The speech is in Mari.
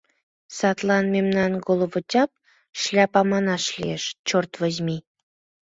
Садлан мемнам головотяп, шляпа манаш лиеш, чорт возьми!..